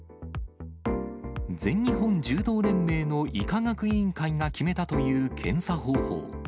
全日本柔道連盟の医科学委員会が決めたという検査方法。